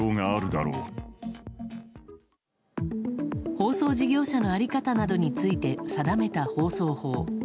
放送事業者の在り方などについて定めた放送法。